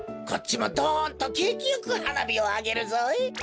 こっちもドンとけいきよくはなびをあげるぞ！